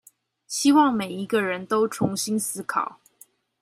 希望每一個人都重新思考